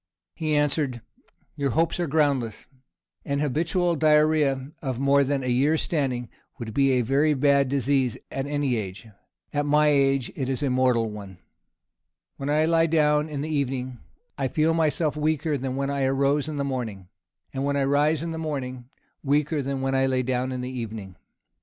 He answered, "Your hopes are groundless. An habitual diarrhoea of more than a year's standing, would be a very bad disease at any age; at my age it is a mortal one. When I lie down in the evening, I feel myself weaker than when I rose in the morning; and when I rise in the morning, weaker than when I lay down in the evening.